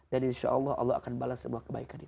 insya allah allah akan balas semua kebaikan itu